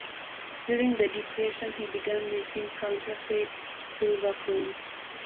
During the Depression he began making counterfeit silver coins.